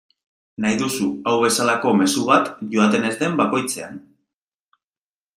Nahi duzu hau bezalako mezu bat joaten ez den bakoitzean.